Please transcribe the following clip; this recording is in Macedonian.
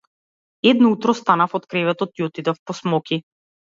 Едно утро станав од креветот и отидов по смоки.